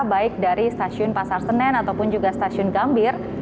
baik dari stasiun pasar senen ataupun juga stasiun gambir